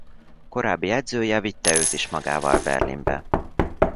Korábbi edzője vitte őt is magával Berlinbe.